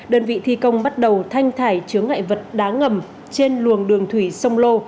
đơn vị thi công bắt đầu thanh thải chứa ngại vật đá ngầm trên luồng đường thủy sông lô